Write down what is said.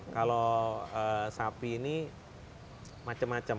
kalau sapi ini macam macam